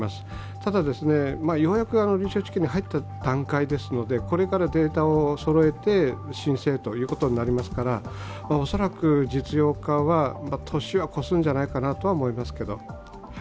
ただ、ようやく臨床治験に入った段階ですのでこれからデータをそろえて申請ということになりますから、恐らく実用化は、年は越すんじゃないかとは思います。